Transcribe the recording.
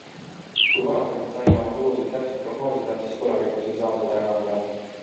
Kui varasemalt saime oma tulusid täpselt prognoosida, siis tulevikus ei saa seda enam teha.